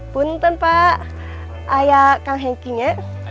punten pak ayah kang henky nya